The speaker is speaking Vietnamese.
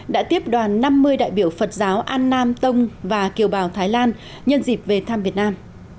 đã tiếp đoàn năm mươi đại biểu phật giáo an nam tông và kiều bào thái lan nhân dịp về thăm việt nam